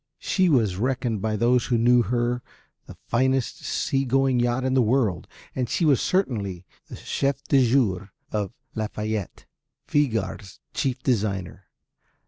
She was reckoned by those who knew her the finest sea going yacht in the world and she was certainly the chef d'oeuvre of Lafiette, Viguard's chief designer.